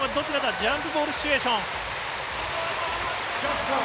ジャンプボールシチュエーション。